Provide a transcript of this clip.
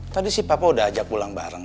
tadi si papa udah ajak pulang bareng